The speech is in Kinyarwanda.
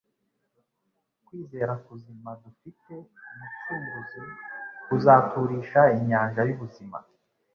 Kwizera kuzima dufitiye Umucunguzi kuzaturisha inyanja y'ubuzima